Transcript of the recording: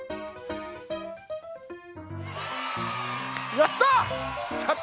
やった！